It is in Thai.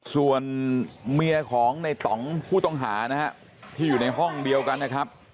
ส่วนเมียของในต่องผู้ต้องหานะฮะที่อยู่ในห้องเดียวกันนะครับ